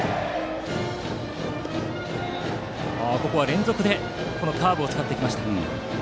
連続でカーブを使ってきました。